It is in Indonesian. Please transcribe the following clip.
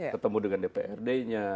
ketemu dengan dprd nya